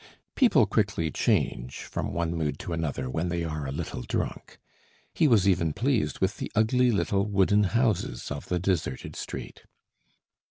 People quickly change from one mood to another when they are a little drunk. He was even pleased with the ugly little wooden houses of the deserted street.